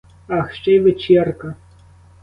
Ах, ще й вечірка!